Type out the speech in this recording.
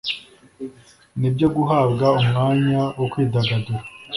Nibyo guhabwa umwanya wo kwidagadura